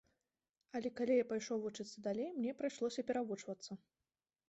Але, калі я пайшоў вучыцца далей, мне прыйшлося перавучвацца.